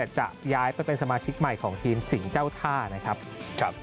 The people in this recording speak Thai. จะย้ายไปเป็นสมาชิกใหม่ของทีมสิงห์เจ้าท่านะครับ